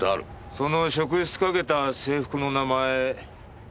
その職質かけた制服の名前。